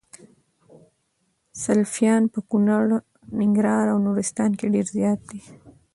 سلفيان په کونړ ، ننګرهار او نورستان کي ډير زيات دي